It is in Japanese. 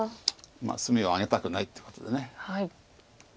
隅をあげたくないってことで。